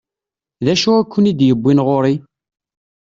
D acu i ken-id-yewwin ɣur-i?